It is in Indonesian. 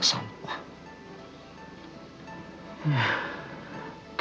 ya salah satu